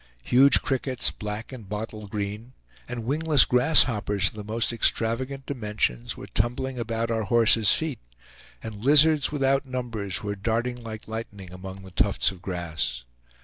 Huge crickets, black and bottle green, and wingless grasshoppers of the most extravagant dimensions, were tumbling about our horses' feet, and lizards without numbers were darting like lightning among the tufts of grass.